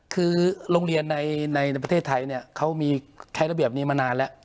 คือโรงเรียนในประเทศไทยเนี่ยเขามีใช้ระเบียบนี้มานานแล้ว